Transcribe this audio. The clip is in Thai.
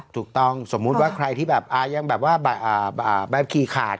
ถูกต้องสมมุติว่าใครที่แบบยังแบบว่าแบบขี่ขาด